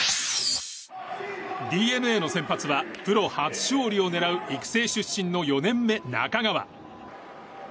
ＤｅＮＡの先発はプロ初勝利を狙う育成出身の４年目、中川。